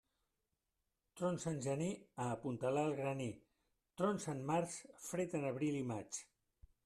Trons en gener, a apuntalar el graner; trons en març, fred en abril i maig.